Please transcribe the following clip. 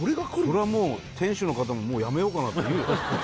そりゃもう店主の方ももうやめようかなって言うよね